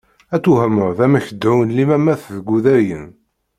Ad twehmeḍ amek deɛɛun limamat deg Udayen.